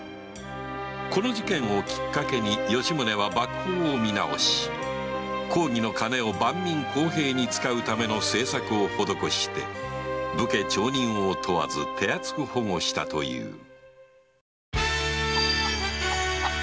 この事件をきっかけに吉宗は幕法を見直し公儀の金を万民公平に使うための政策を施して武家町人を問わず手厚く保護したという